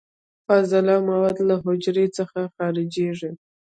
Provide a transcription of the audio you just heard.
فاضله مواد له حجرې څخه خارجیږي.